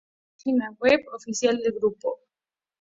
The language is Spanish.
Adaptada de la página web oficial del grupo.